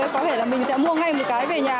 có thể là mình sẽ mua ngay một cái về nhà